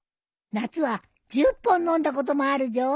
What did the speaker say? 夏は１０本飲んだこともあるじょ。